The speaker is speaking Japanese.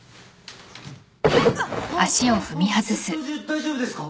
大丈夫です。